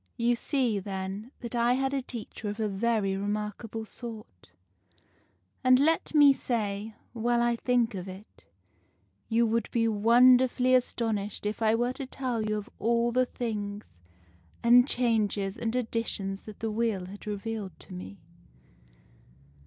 You see, then, that I had a teacher of a very remarkable sort. And let me say, while I think of it, you would be wonderfully astonished if I were to tell you of all the things and changes and additions that the Wheel has revealed to me.